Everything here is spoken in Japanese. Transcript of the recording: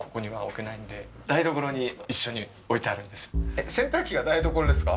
えっ洗濯機が台所ですか？